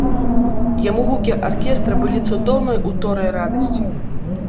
Яму гукі аркестра былі цудоўнай уторай радасці.